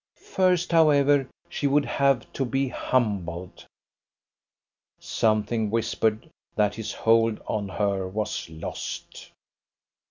First, however, she would have to be humbled. Something whispered that his hold on her was lost.